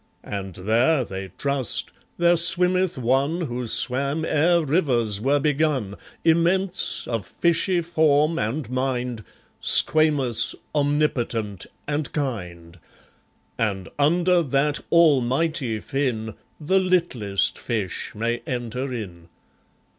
And there (they trust) there swimmeth One Who swam ere rivers were begun, Immense, of fishy form and mind, Squamous, omnipotent, and kind; And under that Almighty Fin, The littlest fish may enter in.